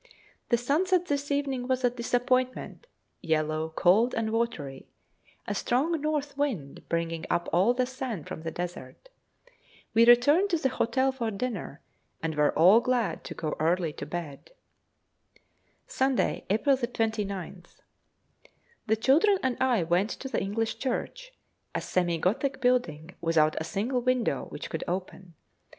The sunset this evening was a disappointment; yellow, cold, and watery, a strong north wind bringing up all the sand from the desert. We returned to the hotel for dinner, and were all glad to go early to bed. Sunday, April 29th. The children and I went to the English church, a semi Gothic building, without a single window which could open.